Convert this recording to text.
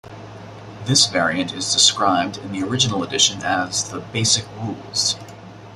This variant is described in the original edition as the "basic rules".